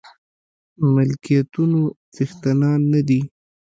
ملکيتونو څښتنان نه دي.